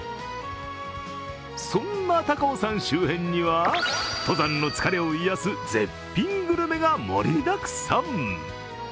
そんな高尾山周辺には、登山の疲れを癒やす絶品グルメが盛りだくさん。